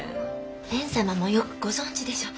蓮様もよくご存じでしょう。